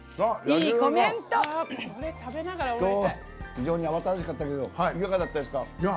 非常に慌ただしかったですがいかがですか？